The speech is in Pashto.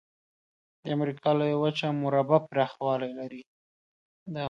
د امریکا لویه وچه مربع پرخوالي لري.